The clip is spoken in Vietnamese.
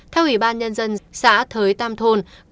theo ủy ban nhân dân xã thới tam thôn